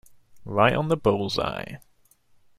Right on the bull's-eye.